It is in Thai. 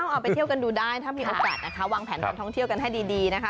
เอาไปเที่ยวกันดูได้ถ้ามีโอกาสนะคะวางแผนการท่องเที่ยวกันให้ดีนะคะ